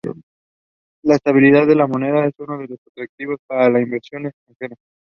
La estabilidad de la moneda es uno de los atractivos para la inversión extranjera.